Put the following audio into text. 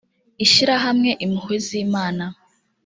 ishyirahamwe impuhwe z imana